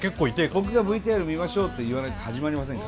僕がＶＴＲ見ましょうって言わなきゃ始まりませんから。